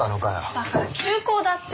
だから休校だって。